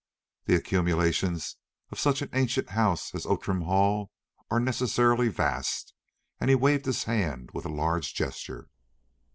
The accumulations of such an ancient house as Outram Hall are necessarily vast," and he waved his hand with a large gesture.